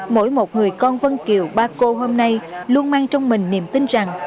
mỗi một người con vân kiều ba cô hôm nay luôn mang trong mình niềm tin rằng